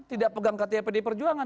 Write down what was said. tidak pegang kata pdi perjuangan